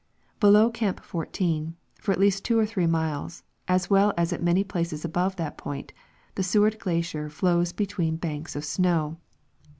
Helow Camp 14, for at least two or three miles, as well as at many places above that point, the Seward glacier Hows be tween banks of snow.